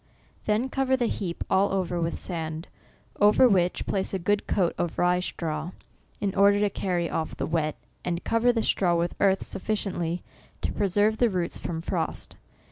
Then covf r the heap all over with sand, over which place a good coat of rye straw, in order to carry off X0VLM13EK. 195 the wet, and cover the straw with earth suf ficiently to preserve the roots from frost.